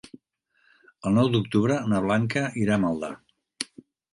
El nou d'octubre na Blanca irà a Maldà.